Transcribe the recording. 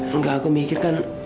enggak aku mikirkan